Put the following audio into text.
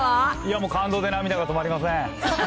もう感動で涙が止まりません。